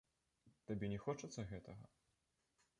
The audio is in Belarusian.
Табе не хочацца гэтага?